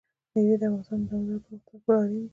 مېوې د افغانستان د دوامداره پرمختګ لپاره اړین دي.